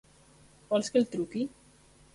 Vols que el truqui?